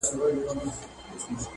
د دلبر و صدقې لره يې غواړم